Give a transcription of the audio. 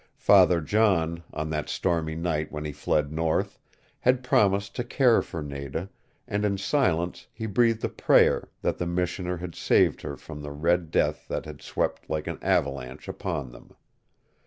Father John, on that stormy night when he fled north, had promised to care for Nada, and in silence he breathed a prayer that the Missioner had saved her from the red death that had swept like an avalanche upon them.